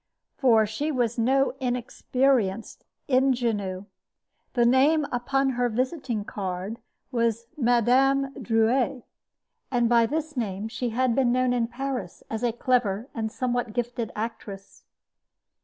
For she was no inexperienced ingenue. The name upon her visiting card was "Mme. Drouet"; and by this name she had been known in Paris as a clever and somewhat gifted actress.